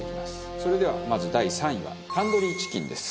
それではまず第３位はタンドリーチキンです。